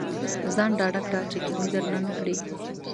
ځان ډاډه کړه چې کمې درنه نه کړي.